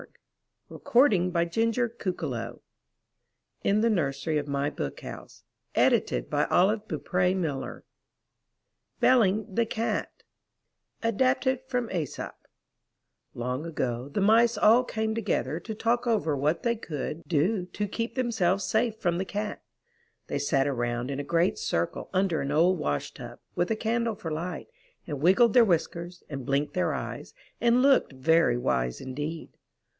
"Hello! said the barn door cock, "Cock a doodle do! — From Aunt Effie's Rhymes, 83 MY BOOK HOUSE BELLING THE CAT Adapted from Aesop Long ago the Mice all came together to talk over what they could do to keep themselves safe from the Cat. They sat around in a great circle under an old wash tub, with a candle for light, and wiggled their whiskers, and blinked their eyes, and looked very wise indeed.